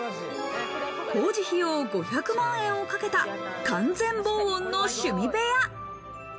工事費用５００万円をかけた、完全防音の趣味部屋。